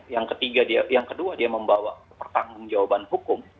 yang ketiga dia yang kedua dia membawa pertanggung jawaban hukum